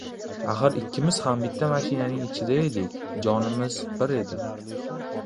Axir ikkimiz ham bitta mashinaning ichida edik, jonimiz bir edi.